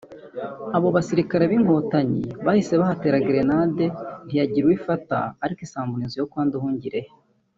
abo basirikire b’inkotanyi bahise bahatera grenade ntiyagira uwo ifata ariko isakambura inzu yo kwa Nduhungirehe